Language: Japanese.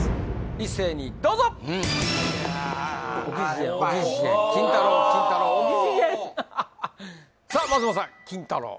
一斉にどうぞさあ松本さんキンタロー。